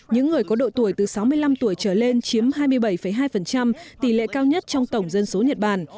những người có độ tuổi từ sáu mươi năm tuổi trở lên chiếm hai mươi bảy hai tỷ lệ cao nhất trong tổng dân số nhật bản